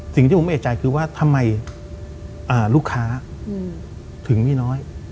สิ่งที่ผมไม่แอจจ่ายคือว่าทำไมลูกค้าถึงมีน้อย